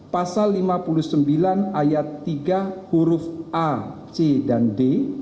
pasal lima puluh sembilan ayat tiga huruf a c dan d